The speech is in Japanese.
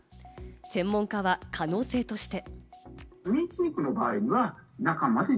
専門家は可能性として。